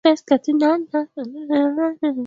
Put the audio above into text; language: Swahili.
kuzungumzia suala hili la nidhamu za wachezaji